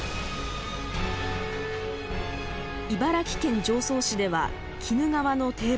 茨城県常総市では鬼怒川の堤防が決壊。